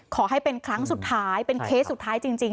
ขอให้เป็นครั้งสุดท้ายเป็นเคสสุดท้ายจริง